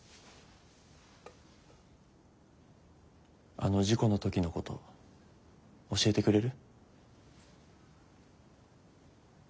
あの事故の時のこと教えてくれる？